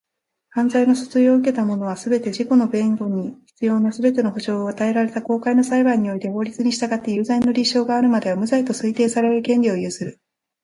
犯罪の訴追を受けた者は、すべて、自己の弁護に必要なすべての保障を与えられた公開の裁判において法律に従って有罪の立証があるまでは、無罪と推定される権利を有する。